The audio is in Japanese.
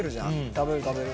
食べる食べる。